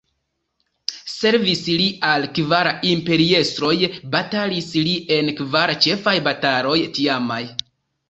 Servis li al kvar imperiestroj, batalis li en kvar ĉefaj bataloj tiamaj.